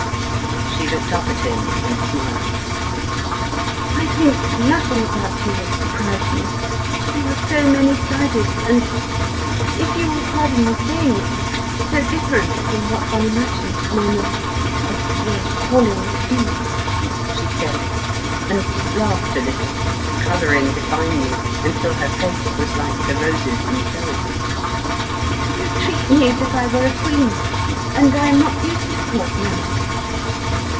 She looked up at him and smiled. "I think nothing about you will surprise me you are so many sided and if you will pardon me saying it so different from what one imagines men of of your calling to be," she said; and laughed a little, colouring divinely until her face was like the roses themselves. "You treat me as if I were a queen; and I am not used to Court manners.